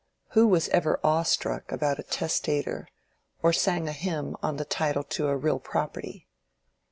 Who was ever awe struck about a testator, or sang a hymn on the title to real property?